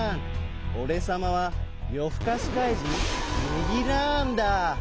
おれさまはよふかしかいじんメギラーンだ。